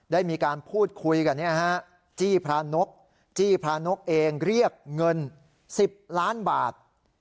ได้มีการพูดคุยกันจี้พระนกจี้พระนกเองเรียกเงิน๑๐ล้านบาท